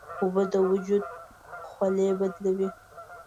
اوبه د وجود خولې بدلوي.